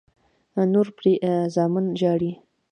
نور پرې زامن ژاړي.